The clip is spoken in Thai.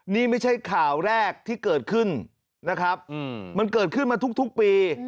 นี่ไม่ใช่ข่าวแรกที่เกิดขึ้นนะครับมันเกิดขึ้นมาทุกปี